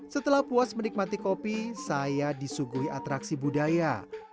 setelah puas menikmati kopi saya disuguhi atraksi budaya